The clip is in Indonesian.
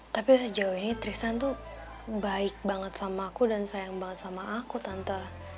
tapi sejauh ini tristan tuh baik banget sama aku dan sayang banget sama aku tante